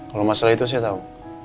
kalau masalah itu saya tahu